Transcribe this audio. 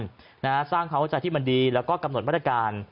สร้างความเข้าใจที่มันดีและก็กำหนดวัตการณ์